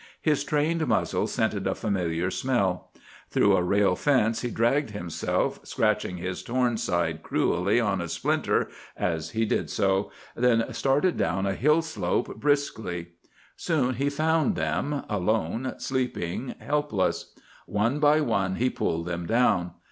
His trained muzzle scented a familiar smell. Through a rail fence he dragged himself, scratching his torn side cruelly on a splinter as he did so, then started down a hill slope briskly. Soon he found them, alone, sleeping, helpless. One by one he pulled them down.